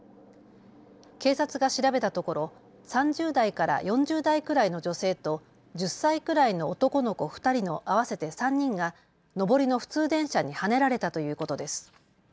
警察が調べたところ３０代から４０代くらいの女性と１０歳くらいの男の子２人の合わせて３人が上りの普通電車にはねられたということです。